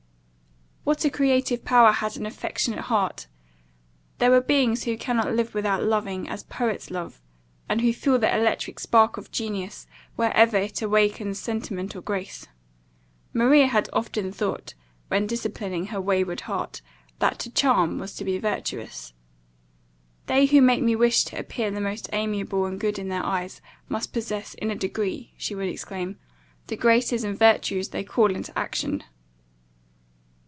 What a creative power has an affectionate heart! There are beings who cannot live without loving, as poets love; and who feel the electric spark of genius, wherever it awakens sentiment or grace. Maria had often thought, when disciplining her wayward heart, "that to charm, was to be virtuous." "They who make me wish to appear the most amiable and good in their eyes, must possess in a degree," she would exclaim, "the graces and virtues they call into action."